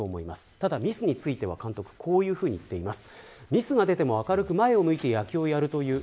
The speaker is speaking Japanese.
ただ、ミスについては監督はこういうふうに言っています。